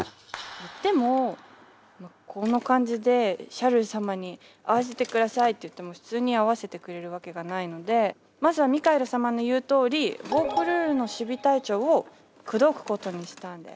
でもこの感じでシャルル様に会わせてくださいって言っても普通に会わせてくれるわけがないのでまずはミカエル様の言うとおりヴォークルールの守備隊長を口説くことにしたんです。